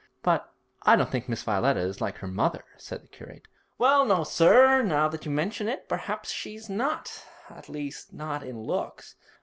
'But I don't think Miss Violetta is like her mother,' said the curate. 'Well no, sir; now that you mention it, perhaps she's not at least, not in looks.